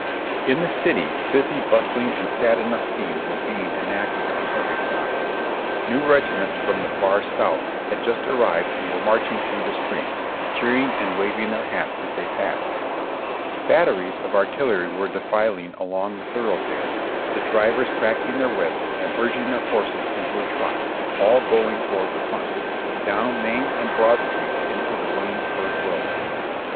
In the city, busy, bustling and sad enough scenes were being enacted on every side. New regiments from the far South had just arrived and were marching through the streets, cheering and waving their hats as they passed ; batteries of artillery were de filing along the thoroughfares, the drivers cracking their whips and urging their horses into a trot, all going toward the front, down Main and Broad streets into the Williamsburg road.